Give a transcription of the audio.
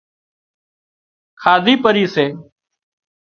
کاڌي پري سي